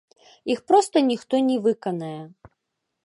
Іх проста ніхто не выканае.